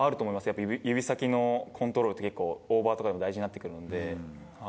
やっぱり、指先のコントロールって結構オーバーとかも大事になってくるんで。